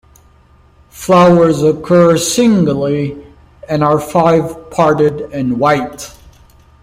Flowers occur singly, and are five-parted and white.